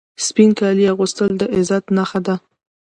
سپین کالي اغوستل د عزت نښه ده.